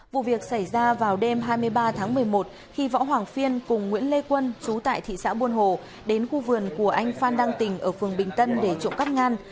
vụ việc xảy ra vào đêm hai mươi ba tháng một mươi một khi võ hoàng phiên cùng nguyễn lê quân chú tại thị xã buôn hồ đến khu vườn của anh phan đăng tình ở phường bình tân để trộm cắt ngăn